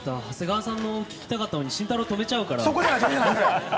長谷川さんの聞きたかったのに、慎太郎が止めちゃうから。